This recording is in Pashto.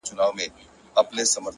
خو د لفظونو بغاوت خاورې ايرې کړ!